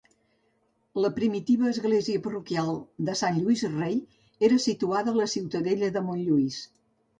La primitiva església parroquial de Sant Lluís Rei era situada a la Ciutadella de Montlluís.